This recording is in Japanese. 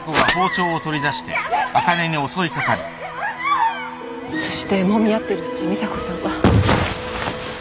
やめて！そしてもみ合ってるうち美砂子さんは。